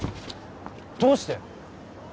どうして？